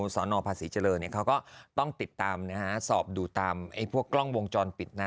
สอนอพาศรีเจอร์เนี้ยเขาก็ต้องติดตามนะฮะสอบดูตามไอ้พวกกล้องวงจรปิดนะ